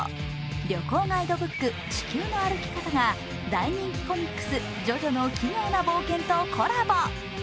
旅行ガイドブック「地球の歩き方」が大人気コミックス「ジョジョの奇妙な冒険」とコラボ。